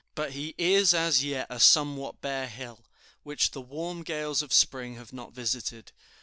But he is as yet a somewhat bare hill, which the warm gales of Spring have not visited.